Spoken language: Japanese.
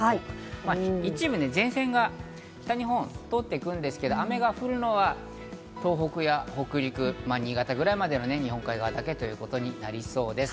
一部に前線が北日本に通ってくるんですけど、雨が降るのは東北や北陸、新潟ぐらいまでの日本海側だけとなりそうです。